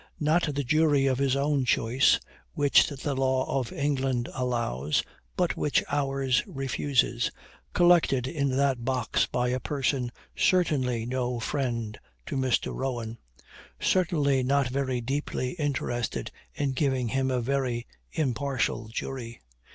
Not the jury of his own choice, which the law of England allows, but which ours refuses, collected in that box by a person certainly no friend to Mr. Rowan certainly not very deeply interested in giving him a very impartial jury.